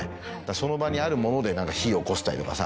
その場にあるもので火をおこしたりとかさ。